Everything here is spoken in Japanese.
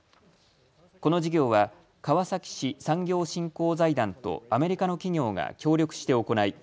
この事業は川崎市産業振興財団とアメリカの企業が協力して行い